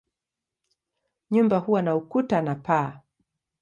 Nyumba huwa na ukuta na paa.